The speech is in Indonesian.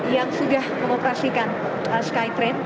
yang sudah mengoperasikan skytrain